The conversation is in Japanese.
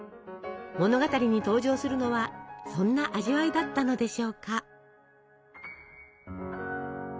物語に登場するのはそんな味わいだったのでしょうか。